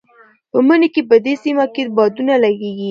په مني کې په دې سیمه کې بادونه لګېږي.